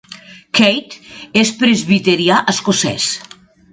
Keith és presbiterià escocès.